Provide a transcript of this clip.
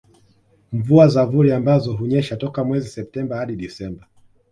Mvua za vuli ambazo hunyesha toka mwezi Septemba hadi Desemba